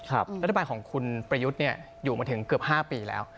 รัฐบาลของคุณประยุทธ์อยู่มาถึงเกือบ๕ปีแล้ว